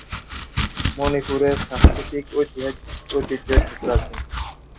মণিপুরের সাঙ্গীতিক ঐতিহ্য সুপ্রাচীন।